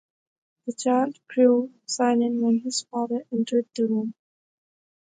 The child grew silent when his father entered the room.